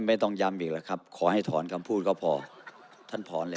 ไม่ต้องย้ำอีกแล้วครับขอให้ถอนคำพูดก็พอท่านถอนเลย